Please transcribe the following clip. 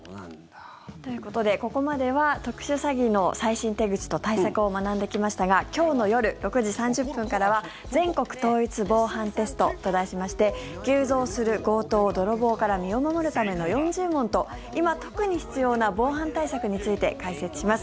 ということでここまでは特殊詐欺の最新手口と対策を学んできましたが今日の夜６時３０分からは「全国統一防犯テスト」と題しまして急増する強盗、泥棒から身を守るための４０問と今、特に必要な防犯対策について解説します。